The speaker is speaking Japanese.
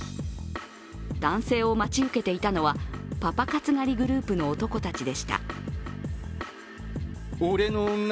男性を待ち受けていたのはパパ活狩りグループの男たちでした。